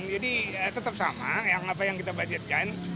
jadi tetap sama yang apa yang kita budgetkan